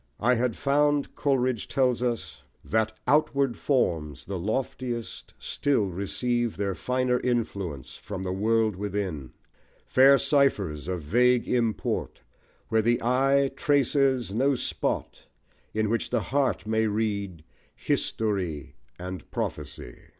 "I had found," Coleridge tells us, That outward forms, the loftiest, still receive Their finer influence from the world within; Fair ciphers of vague import, where the eye Traces no spot, in which the heart may read History and prophecy